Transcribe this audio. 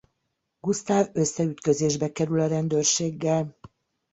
Gusztáv összeütközésbe kerül a rendőrséggel.